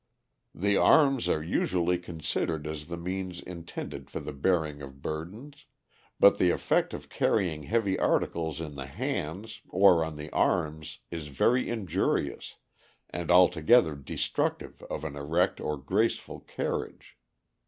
"The arms are usually considered as the means intended for the bearing of burdens, but the effect of carrying heavy articles in the hands or on the arms is very injurious, and altogether destructive of an erect or graceful carriage.